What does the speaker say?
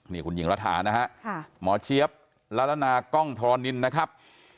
นี่คุณหญิงรัฐานะฮะหมอเจี๊ยบละละนากล้องทรนินนะครับ